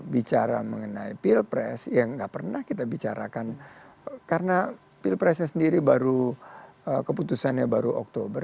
bicara mengenai pilpres yang nggak pernah kita bicarakan karena pilpresnya sendiri baru keputusannya baru oktober